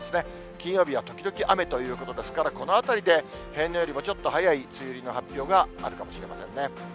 金曜日は時々雨ということですから、このあたりで、平年よりもちょっと早い梅雨入りの発表があるかもしれませんね。